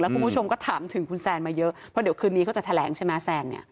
คุณผู้ชมก็ถามถึงคุณแซนมาเยอะเพราะเดี๋ยวคืนนี้เขาจะแถลงใช่ไหมแซนเนี่ย